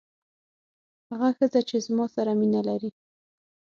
هغه ښځه چې زما سره مینه لري.